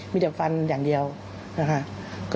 มีแต่ฟันอย่างเดียวนะคะ